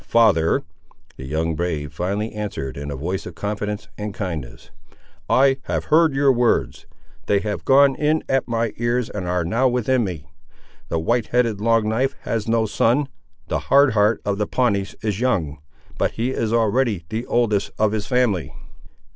"Father," the young brave finally answered in a voice of confidence and kindness, "I have heard your words. They have gone in at my ears, and are now within me. The white headed Long knife has no son; the Hard Heart of the Pawnees is young, but he is already the oldest of his family.